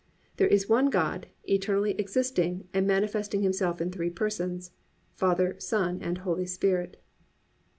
_ There is one God, eternally existing, and manifesting Himself in three Persons—Father, Son and Holy Spirit.